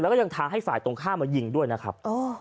แล้วก็ยังท้าให้ฝ่ายตรงข้ามมายิงด้วยนะครับ